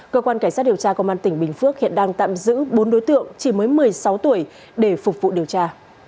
cơ quan cảnh sát điều tra công an tỉnh bình phước hiện đang tạm giữ bốn đối tượng chỉ mới một mươi sáu tuổi để phục vụ điều tra